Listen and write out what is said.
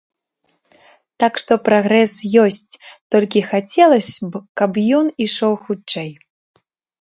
Так што прагрэс ёсць, толькі хацелася б, каб ён ішоў хутчэй.